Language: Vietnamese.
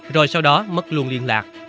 rồi sau đó mất luôn liên lạc